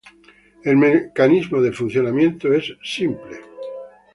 El mecanismo de funcionamiento es simple.